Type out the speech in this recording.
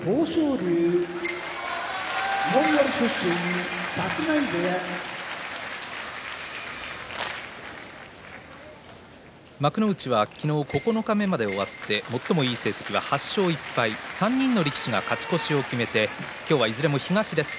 龍モンゴル出身立浪部屋幕内は昨日九日目まで終わって最もいい成績は８勝１敗、３人の力士が勝ち越しを決めていずれも東です。